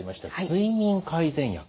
睡眠改善薬。